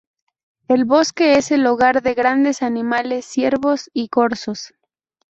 El bosque es el hogar de grandes animales, ciervos y corzos.